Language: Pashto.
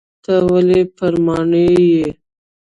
ته ولي پر ماڼي یې ؟